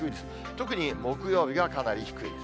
特に木曜日がかなり低いです。